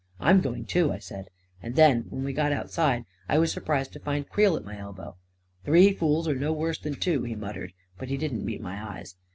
" I'm going too," I said; and then, when we got outside, I was surprised to find Creel at my elbow. " Three fools are no worse than two !" he mut tered, but he didn't meet my eyes.